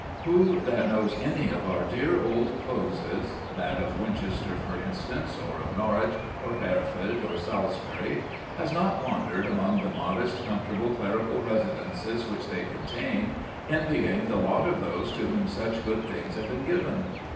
Who that knows any of our dear old closes, that of Winchester, for instance, or of Norwich, or Hereford, or Salisbury, has not wandered among the modest, comfortable clerical residences which they contain, envying the lot of those to whom such good things have been given?